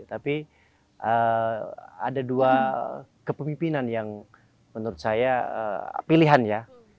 tapi ada dua kepemimpinan yang menurut saya pilihan ya